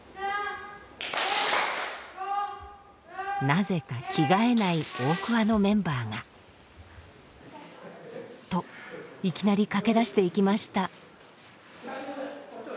なぜか着替えない大桑のメンバーが。といきなり駆け出していきました。